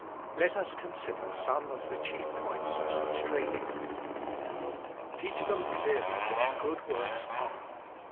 Let us consider some of the chief points of such training. Teach them clearly what good works are.